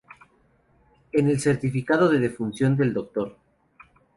En el certificado de defunción del Dr.